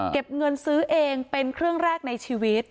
เก็บเงินซื้อเองเป็นเครื่องแรกในชีวิต